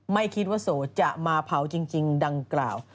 ไม่คิดว่าโสจะมาเผาจริงดังกล่าว